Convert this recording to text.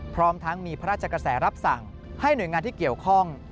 พร้อมทั้งมีพระราชกระแสรับสั่งให้หน่วยงานที่เกี่ยวข้อง